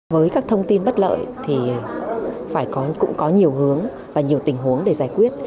với các thông tin bất lợi thì cũng có nhiều hướng và nhiều tình huống để giải quyết